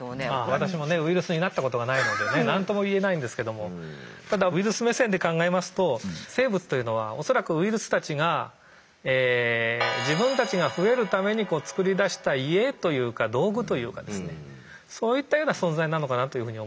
私もウイルスになったことがないのでね何とも言えないんですけどもただウイルス目線で考えますと生物というのは恐らくウイルスたちが自分たちが増えるために作り出した家というか道具というかですねそういったような存在なのかなというふうに思ってます。